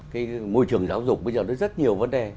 cái môi trường giáo dục bây giờ nó rất nhiều vấn đề